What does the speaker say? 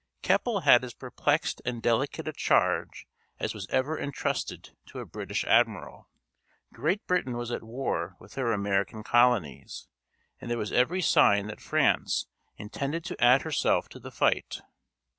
Keppel had as perplexed and delicate a charge as was ever entrusted to a British admiral. Great Britain was at war with her American colonies, and there was every sign that France intended to add herself to the fight.